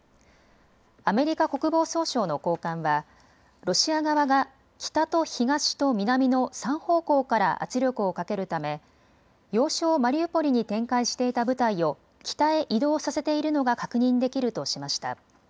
アメリカ国防総省の高官はロシア側が北と東と南の３方向から圧力をかけるため要衝マリウポリに展開していた部隊を北へ移動させているのが確認できるとしました。